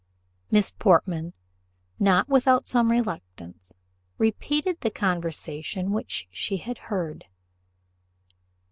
Miss Portman, not without some reluctance, repeated the conversation which she had heard.